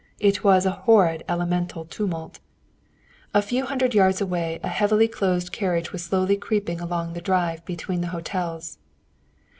It was a horrid elemental tumult! A few hundred yards away a heavy closed carriage was slowly creeping along the drive between the hotels.